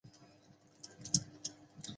褶胸鱼的图片